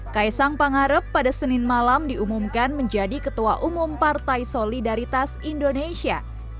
kaisang pangarep pada senin malam diumumkan menjadi ketua umum partai solidaritas indonesia